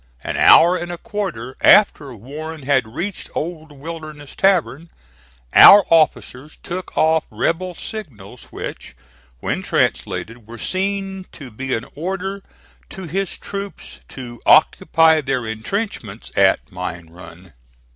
an hour and a quarter after Warren had reached Old Wilderness Tavern, our officers took off rebel signals which, when translated, were seen to be an order to his troops to occupy their intrenchments at Mine Run.